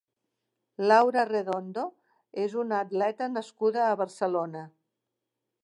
Laura Redondo és una atleta nascuda a Barcelona.